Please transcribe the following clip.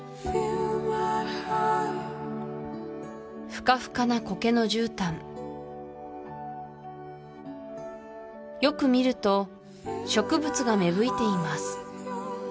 フカフカなコケのじゅうたんよく見ると植物が芽吹いています